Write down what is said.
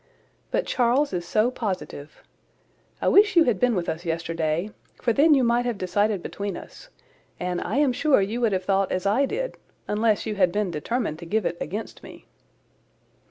But Charles is so positive! I wish you had been with us yesterday, for then you might have decided between us; and I am sure you would have thought as I did, unless you had been determined to give it against me."